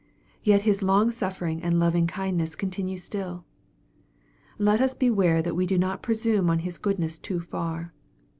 Yet His longsuffering and lovingkindness continue still. Let us beware that we do not presume on His goodness too far.